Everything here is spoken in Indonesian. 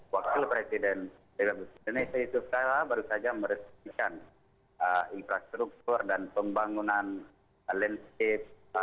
wakil presiden yusuf kala baru saja meresmikan infrastruktur dan pembangunan landscape